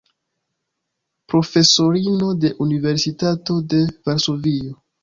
Profesorino de Universitato de Varsovio.